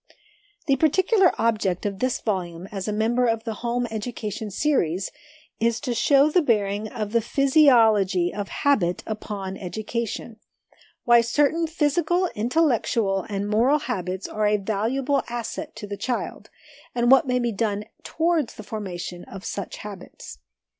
The particular object of this volume, as a member of the 'Home Education' Series, is to show the bearing of the physiology of habit upon education ; why certain physical, intellectual, and moral habits are a valuable asset to a child, and what may be done towards the formation of such habits.